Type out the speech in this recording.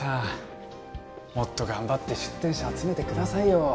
もっと頑張って出店者集めてくださいよ。